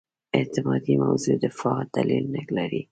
اعتقادي موضع دفاع دلیل نه لري.